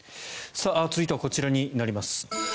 続いてはこちらになります。